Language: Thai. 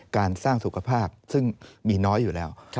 การสร้างสุขภาพซึ่งมีน้อยอยู่แล้ว